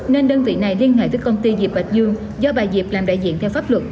nên đơn vị này liên hệ với công ty diệp bạch dương do bà diệp làm đại diện theo pháp luật